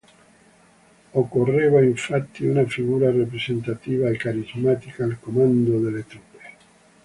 Occorreva infatti una figura rappresentativa e carismatica al comando delle truppe.